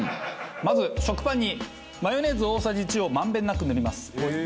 まず食パンにマヨネーズ大さじ１を満遍なく塗ります。